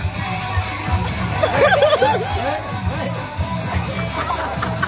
เข้ามา